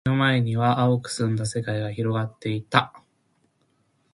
目の前には蒼く澄んだ世界が広がっていた。